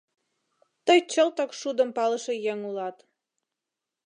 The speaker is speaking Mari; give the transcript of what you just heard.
— Тый чылтак шудым палыше еҥ улат!